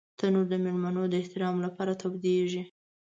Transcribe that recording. تنور د مېلمنو د احترام لپاره تودېږي